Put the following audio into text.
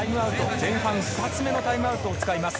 前半２つ目のタイムアウトを使います。